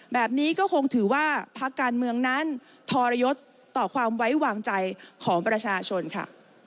แบบนี้ก็คงถือว่าพักการเมืองนั้นทรยศต่อความไว้วางใจของประชาชนค่ะ